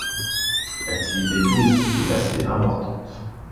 L'activité touristique est assez importante.